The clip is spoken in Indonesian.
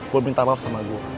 gue minta maaf sama gue